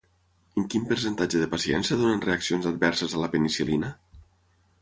En quin percentatge de pacients es donen reaccions adverses a la penicil·lina?